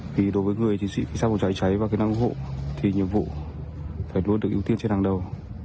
vì đối với người chiến sĩ sát bộ cháy cháy và kỹ năng ưu hộ thì nhiệm vụ phải luôn được ưu tiên trên hàng đầu